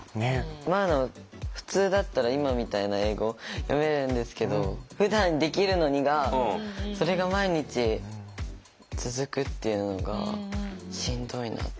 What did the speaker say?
普通だったら今みたいな英語読めるんですけど「ふだんできるのに」がそれが毎日続くっていうのがしんどいなって。